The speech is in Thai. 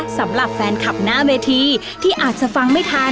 สำหรับแฟนคลับหน้าเวทีที่อาจจะฟังไม่ทัน